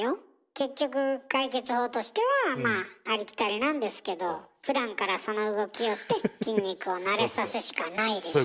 結局解決法としてはまあありきたりなんですけどふだんからその動きをして筋肉を慣れさすしかないでしょう。